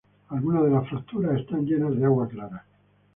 Alguna de las fracturas están llenas de agua clara.